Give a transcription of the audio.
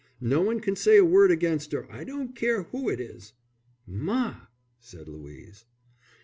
No one can say a word against 'er, I don't care who it is!" "Ma!" said Louise.